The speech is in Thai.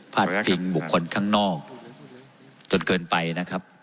ดพิงบุคคลข้างนอกจนเกินไปนะครับ